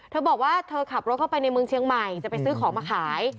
เธอบอกว่าเธอขับรถเข้าไปในเมืองเชียงใหม่จะไปซื้อของมาขาย